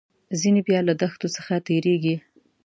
ځینې بیا له دښتو څخه تیریږي.